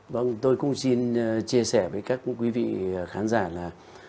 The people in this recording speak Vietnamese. vâng tôi cũng xin chia sẻ với các quý vị khán giả là